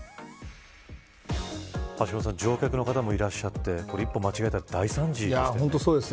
乗客の方もいらっしゃって一歩間違えたら大惨事ですよね。